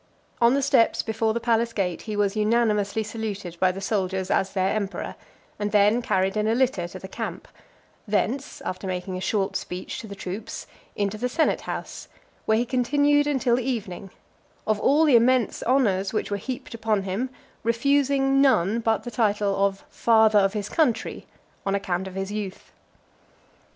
On the steps before the palace gate, he was unanimously saluted by the soldiers as their emperor, and then carried in a litter to the camp; thence, after making a short speech to the troops, into the senate house, where he continued until the evening; of all the immense honours which were heaped upon him, refusing none but the title of FATHER OF HIS COUNTRY, on account of his youth, IX.